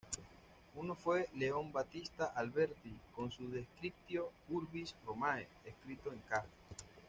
Uno fue Leon Battista Alberti con su "Descriptio urbis Romae", escrito en ca.